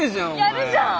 やるじゃん！